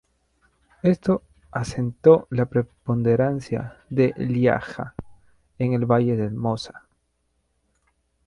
Esto asentó la preponderancia de Lieja en el valle del Mosa.